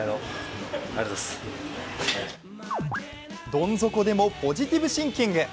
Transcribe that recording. どん底でもポジティブシンキング。